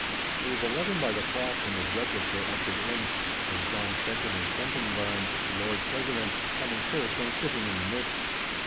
It was eleven by the clock when the judges were ushered in, Sir John Fenton of Fentonbarns, Lord President, coming first and sitting in the midst.